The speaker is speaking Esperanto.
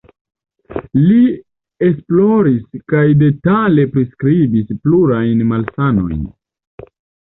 Li esploris kaj detale priskribis plurajn malsanojn.